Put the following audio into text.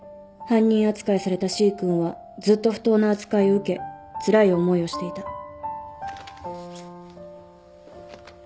「犯人扱いされたＣ君はずっと不当な扱いを受けつらい思いをしていた」